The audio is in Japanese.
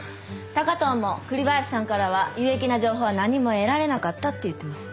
高藤も栗林さんからは有益な情報は何も得られなかったって言ってます。